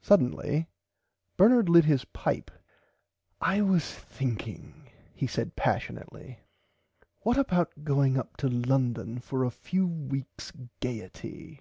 Suddenly Bernard lit his pipe I was thinking he said passionately what about going up to London for a weeks Gaierty.